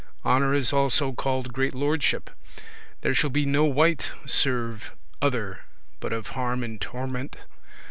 Honour is also called great lordship. There shall no wight serve other, but of harm and torment.